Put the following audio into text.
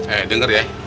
eh denger ya